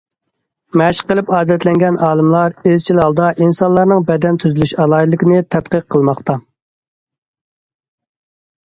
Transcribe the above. مەشىق قىلىپ ئادەتلەنگەن ئالىملار ئىزچىل ھالدا ئىنسانلارنىڭ بەدەن تۈزۈلۈش ئالاھىدىلىكىنى تەتقىق قىلماقتا.